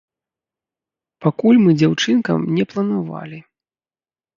Пакуль мы дзяўчынкам не планавалі.